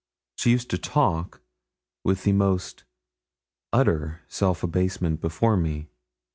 She used to talk with the most utter self abasement before me.